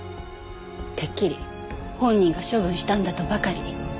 てっきり本人が処分したんだとばかり。